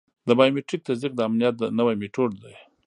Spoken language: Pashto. د بایومټریک تصدیق د امنیت نوی میتود دی.